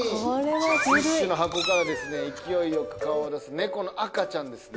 ティッシュの箱から勢いよく顔を出す猫の赤ちゃんですね。